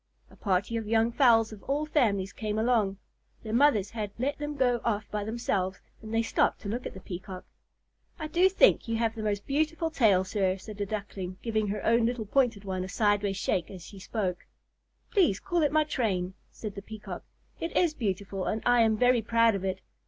A party of young fowls of all families came along. Their mothers had let them go off by themselves, and they stopped to look at the Peacock. "I do think you have the most beautiful tail, sir," said a Duckling, giving her own little pointed one a sideways shake as she spoke. "Please call it my train," said the Peacock. "It is beautiful and I am very proud of it.